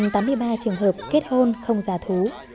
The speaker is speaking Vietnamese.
một trăm tám mươi ba trường hợp kết hôn không giả thú